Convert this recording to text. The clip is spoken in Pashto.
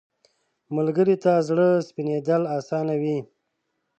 ملګری ته زړه سپینېدل اسانه وي